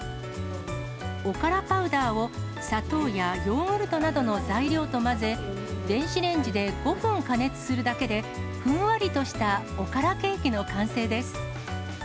おからパウダーを砂糖やヨーグルトなどの材料と混ぜ、電子レンジで５分加熱するだけで、ふんわりとしたおからケーキの完成です。